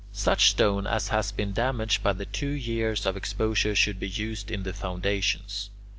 Such stone as has been damaged by the two years of exposure should be used in the foundations.